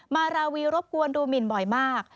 ราวีรบกวนดูหมินบ่อยมาก